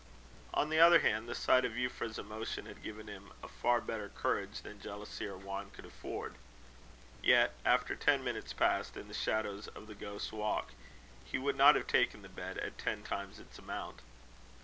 On the other hand, the sight of Euphra's emotion had given him a far better courage than jealousy or wine could afford. Yet, after ten minutes passed in the shadows of the Ghost's Walk, he would not have taken the bet at ten times its amount.